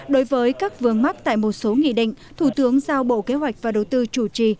đối với các vương mắc tại một số nghị định thủ tướng giao bộ kế hoạch và đầu tư chủ trì